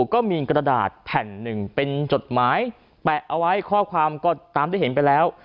ก็มีกระดาษแผ่นหนึ่งเป็นจดหมายแปะเอาไว้ข้อความก็ตามได้เห็นไปแล้ว